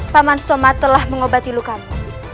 paman somad telah mengobati lukamu